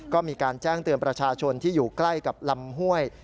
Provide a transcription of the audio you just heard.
ก็มีการแจ้งเตือนประชาชนที่อยู่ใกล้กับลำห้วย